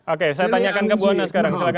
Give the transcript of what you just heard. oke saya tanyakan ke buwana sekarang